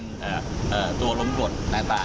เมื่อวานแบงค์อยู่ไหนเมื่อวาน